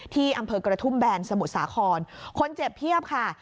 ที่อำเภอกระทุ่มแบนสมุทรสาครคนเจ็บเพียบค่ะ